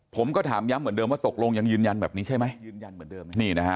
ผมก็ถามย้ำเหมือนเดิมว่าตกลงยังยืนยันแบบนี้ใช่ไหม